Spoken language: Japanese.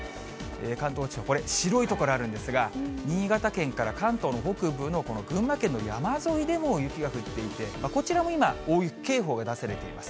関東地方、これ、白い所あるんですが、新潟県から関東の北部のこの群馬県の山沿いでも雪が降っていて、こちらも今、大雪警報が出されています。